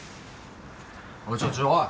おいちょちょおい！